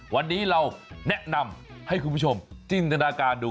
วันนี้เราแนะนำให้คุณผู้ชมจินตนาการดู